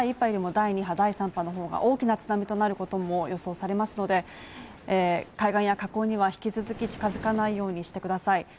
第２波第３波の方が大きな津波となることも予想されますので、海岸や河口には引き続き近づかないようにしてください。